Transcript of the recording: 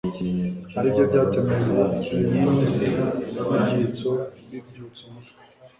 aribyo byatumye ngo inyenzi n'ibyitso bibyutsa umutwe